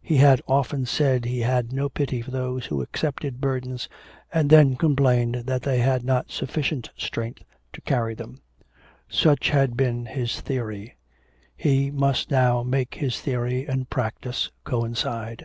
He had often said he had no pity for those who accepted burdens and then complained that they had not sufficient strength to carry them. Such had been his theory; he must now make his theory and practice coincide.